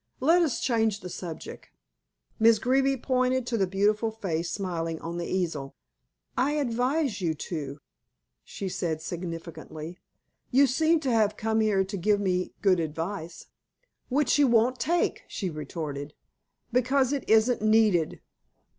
"Let us change the subject." Miss Greeby pointed to the beautiful face smiling on the easel. "I advise you to," she said significantly. "You seem to have come here to give me good advice." "Which you won't take," she retorted. "Because it isn't needed."